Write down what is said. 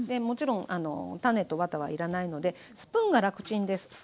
もちろん種とワタは要らないのでスプーンが楽ちんです。